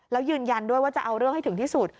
แล้วยืนยันด้วยว่าจะเอาเรื่องให้ถึงที่สุด